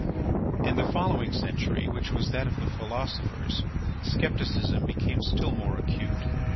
In the following century, which was that of the philosophers, scepticism became still more acute.